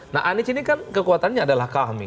nah anies ini kan kekuatannya adalah kami